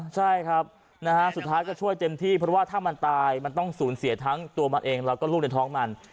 ใช่ครับนะฮะสุดท้ายก็ช่วยเต็มที่เพราะว่าถ้ามันตายมันต้องสูญเสียทั้งตัวมันเองแล้วก็ลูกในท้องมัน